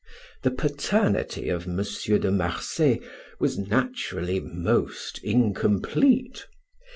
The paternity of M. de Marsay was naturally most incomplete.